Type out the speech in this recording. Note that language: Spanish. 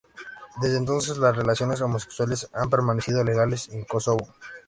Desde entonces, las relaciones homosexuales han permanecido legales en Kosovo.